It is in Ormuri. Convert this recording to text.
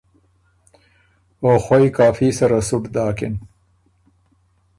او خوئ کافي سره سُټ داکِن۔